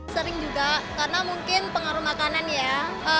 sering juga karena mungkin pengaruh makanannya ya